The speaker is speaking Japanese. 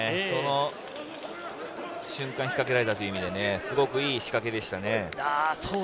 その瞬間、引っ掛けられたという意味で非常にいい仕掛けでしたね。